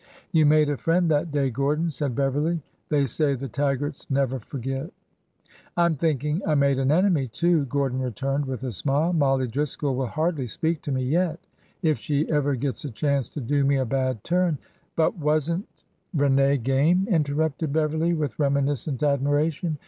You made a friend that day, Gordon," said Beverly. They say the Taggarts never forget." '' I 'm thinking I made an enemy, too," Gordon returned with a smile. '' Mollie Driscoll will hardly speak to me yet. If she ever gets a chance to do me a bad turn—" But was n't Rene game 1 " interrupted Beverly, with reminiscent admiration.